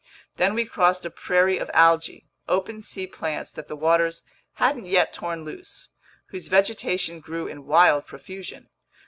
Then we crossed a prairie of algae, open sea plants that the waters hadn't yet torn loose, whose vegetation grew in wild profusion.